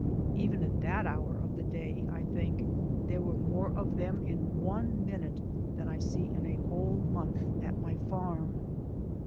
Even at that hour of the day I think there were more of them in one minute than I see in a whole month at my farm.